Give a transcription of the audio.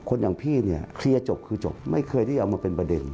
อย่างพี่เนี่ยเคลียร์จบคือจบไม่เคยได้เอามาเป็นประเด็น